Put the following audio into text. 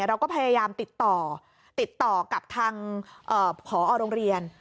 เราก็พยายามติดต่อกับทางผโรงเรียน